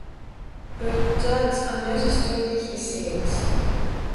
"But that's another story," he says.